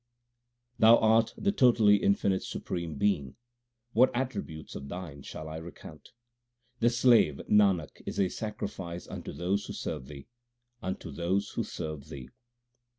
THE RAHIRAS 255 Thou art the totally infinite Supreme Being ; what attri butes of Thine shall I recount ? The slave Nanak is a sacrifice unto those who serve Thee, unto those who serve Thee.